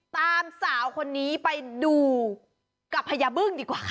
สาวคนนี้ไปดูกับพญาบึ้งดีกว่า